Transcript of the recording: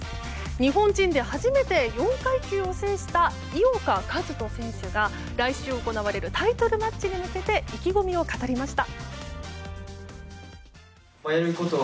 日本人で初めて４階級を制した井岡一翔選手が来週行われるタイトルマッチに向けて意気込みを語りました。